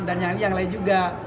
dan yang lain juga